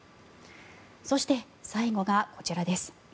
そして、最後がこちらです。